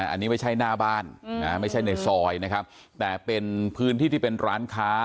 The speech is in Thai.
อันนี้ไม่ใช่หน้าบ้านไม่ใช่ในซอยนะครับแต่เป็นพื้นที่ที่เป็นร้านค้า